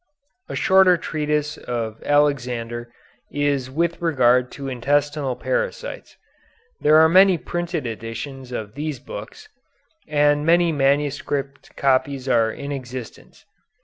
A shorter treatise of Alexander is with regard to intestinal parasites. There are many printed editions of these books, and many manuscript copies are in existence.